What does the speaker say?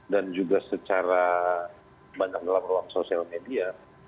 dan juga secara banyak dalam ruang sosial media